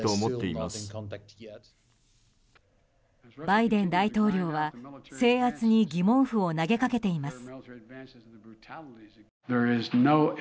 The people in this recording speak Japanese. バイデン大統領は制圧に疑問符を投げかけています。